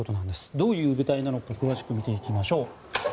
どういう部隊なのか詳しく見ていきましょう。